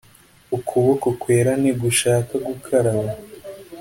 ukuboko kwera ntigushaka gukaraba.